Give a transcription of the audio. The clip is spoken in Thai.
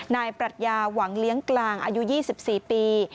ปรัชญาหวังเลี้ยงกลางอายุ๒๔ปี